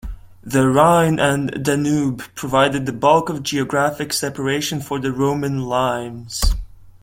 The Rhine and Danube provided the bulk of geographic separation for the Roman "limes".